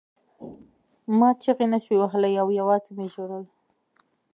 ما چیغې نشوې وهلی او یوازې مې ژړل